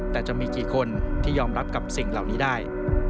แต่จะมีกี่คนที่ยอมรับกับสิ่งเหล่านี้ได้